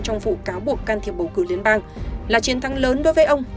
trong vụ cáo buộc can thiệp bầu cử liên bang là chiến thắng lớn đối với ông